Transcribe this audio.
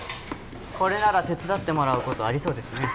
これなら手伝ってもらうことありそうですね